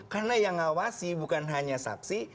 karena yang ngawasi bukan hanya saksi